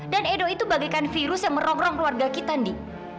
dan edo itu bagaikan virus yang merongrong keluarga kita indi